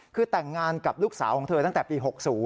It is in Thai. คือแต่งงานกับลูกสาวของเธอตั้งแต่ปี๖๐